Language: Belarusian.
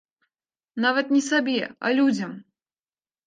Нават не сабе, а людзям.